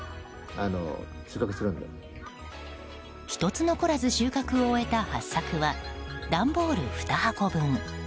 １つ残らず収穫を終えたハッサクは段ボール２箱分。